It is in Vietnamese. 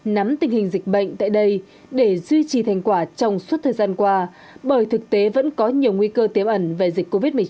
nắm tình hình dịch bệnh tại đây để duy trì thành quả trong suốt thời gian qua bởi thực tế vẫn có nhiều nguy cơ tiềm ẩn về dịch covid một mươi chín